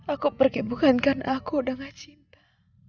aku pergi bukan karena aku udah gak cinta